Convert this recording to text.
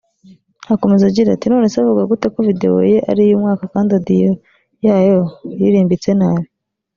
Akomeza agira ati “Nonese avuga gute ko video ye ari iy’umwaka kandi audio yayo iririmbitse nabi